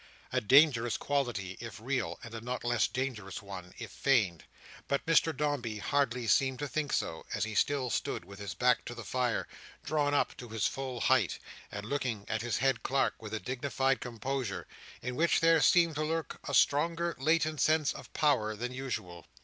A dangerous quality, if real; and a not less dangerous one, if feigned. But Mr Dombey hardly seemed to think so, as he still stood with his back to the fire, drawn up to his full height, and looking at his head clerk with a dignified composure, in which there seemed to lurk a stronger latent sense of power than usual.